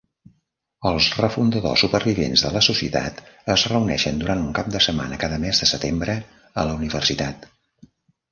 Els "refundadors" supervivents de la societat es reuneixen durant un cap de setmana cada mes de setembre a la Universitat.